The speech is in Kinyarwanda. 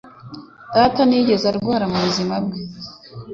Data ntiyigeze arwara mu buzima bwe